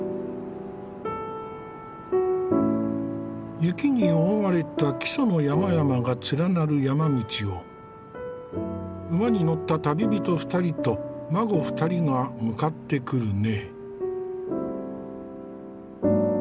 雪に覆われた木曽の山々が連なる山道を馬に乗った旅人２人と馬子２人が向かってくるね。